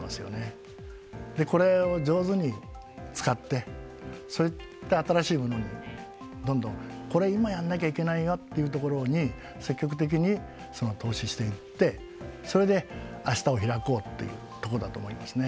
これを上手に使ってそういった新しいものにどんどんこれ今やんなきゃいけないよっていうところに積極的にその投資していってそれで明日を開こうっていうとこだと思いますね。